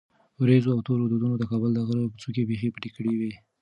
ورېځو او تورو دودونو د کابل د غره څوکې بیخي پټې کړې وې.